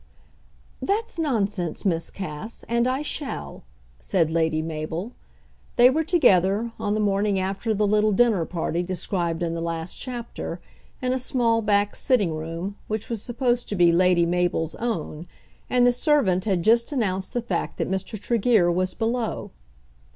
"That's nonsense, Miss Cass, and I shall," said Lady Mabel. They were together, on the morning after the little dinner party described in the last chapter, in a small back sitting room which was supposed to be Lady Mabel's own, and the servant had just announced the fact that Mr. Tregear was below.